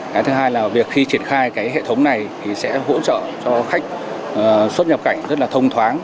cái thứ hai là việc khi triển khai cái hệ thống này thì sẽ hỗ trợ cho khách xuất nhập cảnh rất là thông thoáng